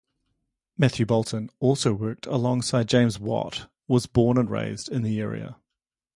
Matthew Boulton also worked alongside James Watt, was born and raised in the area.